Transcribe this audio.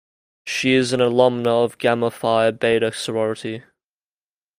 She is an alumna of Gamma Phi Beta sorority.